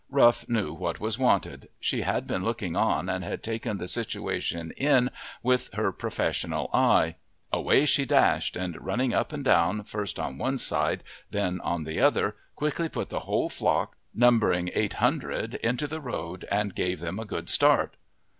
Rough knew what was wanted; she had been looking on and had taken the situation in with her professional eye; away she dashed, and running up and down, first on one side then on the other, quickly put the whole flock, numbering 800, into the road and gave them a good start.